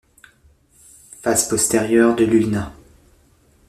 Face postérieure de l'ulna.